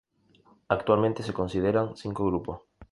Actualmente se consideran cinco grupos.